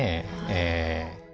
ええ。